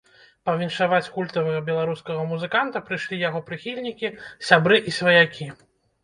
Павіншаваць культавага беларускага музыканта прыйшлі яго прыхільнікі, сябры і сваякі.